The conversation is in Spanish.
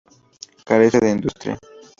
Carece de industria.